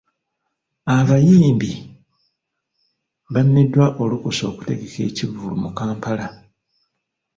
Abayimbi bammiddwa olukusa okutegeka ekivvulu mu Kampala.